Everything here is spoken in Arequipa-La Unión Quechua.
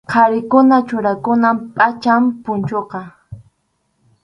Qharikunap churakunan pʼacham punchuqa.